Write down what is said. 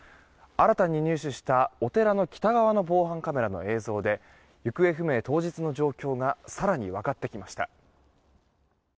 新たに入手したお寺の北側の防犯カメラの映像で行方不明当日の状況が更に分かってきました。